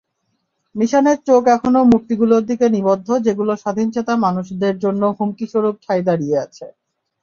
নিসানের চোখ এখনও মূর্তিগুলোর দিকে নিবদ্ধ যেগুলো স্বাধীনচেতা মানুষদের জন্য হুমকিস্বরূপ ঠায় দাঁড়িয়ে আছে।